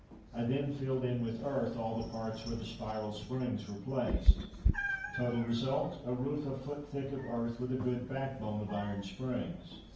I then filled in with earth all the parts where the spiral springs were placed. Total result a roof a foot thick of earth, with a good backbone of iron springs.